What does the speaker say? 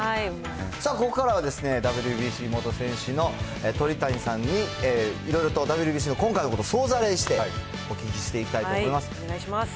さあ、ここからはＷＢＣ元戦士の鳥谷さんに、いろいろとＷＢＣの今回のことを総ざらいして、お聞きしていきたお願いします。